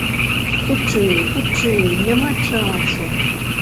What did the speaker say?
Хутчэй, хутчэй, няма часу!